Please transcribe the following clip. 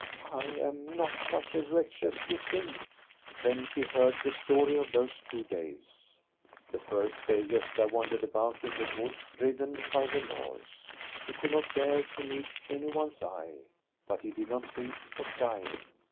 " I am not such a wretch as you think." Then she heard the story of those two days. The first day Gosta wandered about in the wood, driven by remorse. He could not bear to meet any one's eye. But he did not think of dying.